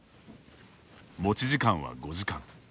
持ち時間は５時間。